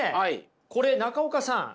これ中岡さん。